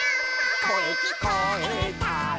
「こえきこえたら」